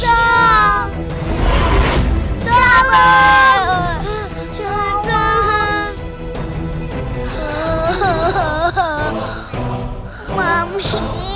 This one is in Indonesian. kamu bisa jadiin keras